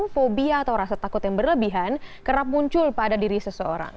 fobia atau rasa takut yang berlebihan kerap muncul pada diri seseorang